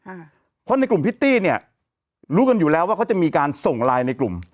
อ่าเพราะในกลุ่มพิตตี้เนี่ยรู้กันอยู่แล้วว่าเขาจะมีการส่งไลน์ในกลุ่ม